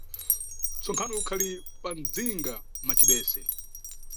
Ntsonkhano ukhali pa mdzinga macibese.